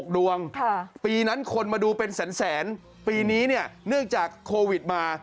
ดวงปีนั้นคนมาดูเป็นแสนปีนี้เนี่ยเนื่องจากโควิดมา